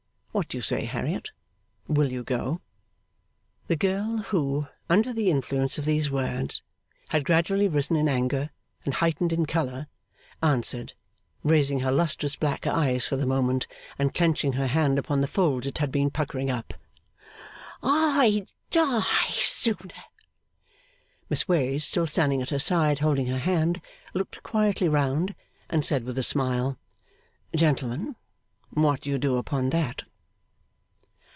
What do you say, Harriet? Will you go?' The girl who, under the influence of these words, had gradually risen in anger and heightened in colour, answered, raising her lustrous black eyes for the moment, and clenching her hand upon the folds it had been puckering up, 'I'd die sooner!' Miss Wade, still standing at her side holding her hand, looked quietly round and said with a smile, 'Gentlemen! What do you do upon that?